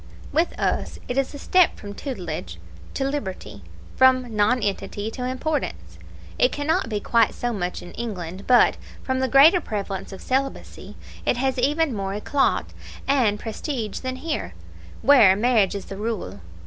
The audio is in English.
With us it is a step from tutelage to liberty from nonentity to importance. It cannot be quite so much so in England; but, from the greater prevalence of celibacy, it has even more ECLAT and prestige than here, where marriage is the rule.